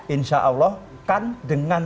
insya allah kan dengan